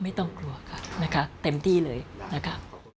ไม่ต้องกลัวค่ะนะคะเต็มที่เลยนะคะ